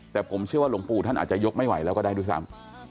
แต่ผมเชื่อว่าหลวงปู่ท่านอาจจะยกไม่ไหวแล้วก็ได้ด้วยซ้ำ